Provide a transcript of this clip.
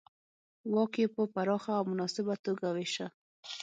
واک یې په پراخه او مناسبه توګه وېشه.